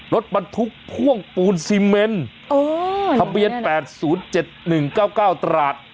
รถบรรทุกพ่วงปูนซีเมนอ๋อทะเบียนแปดศูนย์เจ็ดหนึ่งเก้าเก้าตราด